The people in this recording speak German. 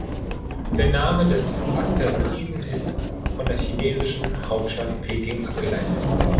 Der Name des Asteroiden ist von der chinesischen Hauptstadt Peking abgeleitet.